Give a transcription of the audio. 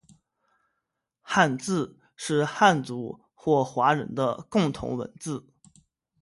汉字是汉族或华人的共同文字